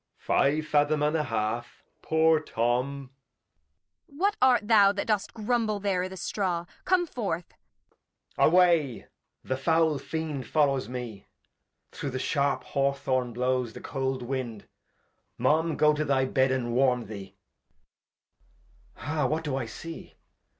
Five Fathom and a half, poor Tom. Kent. What art thou that dost grumble there i' th' Straw ? Come forth. {Enter Edgar disguis'd as a madman.] Edg. Away! The foul Fiend follows me — Through the sharp Haw Thorn blows the cold Wind. Mum, go to the Bed and warm thee. Ha! What do I see